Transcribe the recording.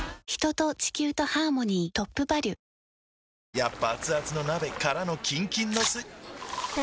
やっぱアツアツの鍋からのキンキンのスん？